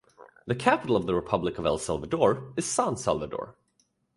The capital of the Republic of El Salvador is San Salvador.